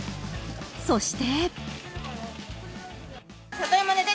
そして。